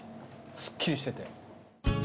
すっきりしてて。